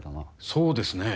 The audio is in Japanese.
そうですね。